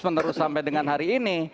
terus menerus sampai dengan hari ini